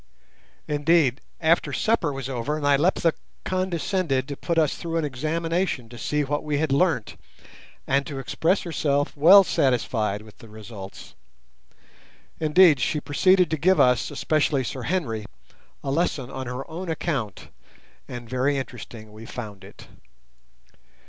Indeed, after supper was over Nyleptha condescended to put us through an examination to see what we had learnt, and to express herself well satisfied with the results. Indeed, she proceeded to give us, especially Sir Henry, a lesson on her own account, and very interesting we found it.